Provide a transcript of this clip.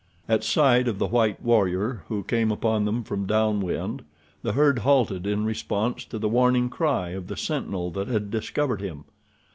At sight of the white warrior who came upon them from down wind the herd halted in response to the warning cry of the sentinel that had discovered him.